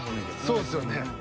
そうっすよね。